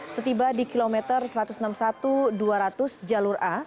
setiba di kilometer satu ratus enam puluh satu dua ratus jalur a